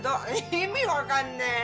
意味分かんねえ。